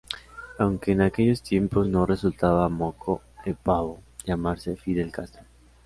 Aunque en aquellos tiempos no resultaba "moco ´e pavo" llamarse "Fidel Castro".